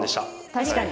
確かに。